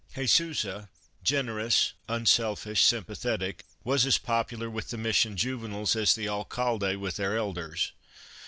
Jesusa, generous, unselfish, sympa thetic, was as popular with the Mission juveniles as the Alcalde with their elders.